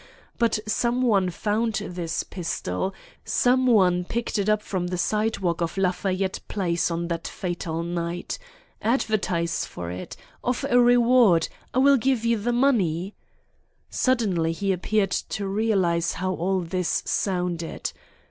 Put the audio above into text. But some one found this pistol; some one picked it up from the sidewalk of Lafayette Place on that fatal night. Advertise for it. Offer a reward. I will give you the money." Suddenly he appeared to realize how all this sounded.